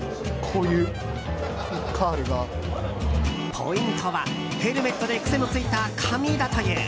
ポイントはヘルメットで癖のついた髪だという。